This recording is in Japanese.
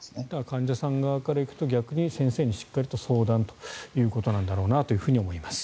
患者さん側から行くと逆に先生にしっかりと相談ということなんだろうと思います。